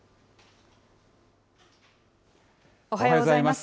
おはようございます。